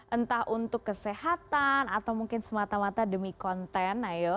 entah untuk kesehatan atau mungkin semata mata demi konten ayo